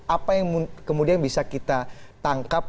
apa yang kemudian bisa kita tangkap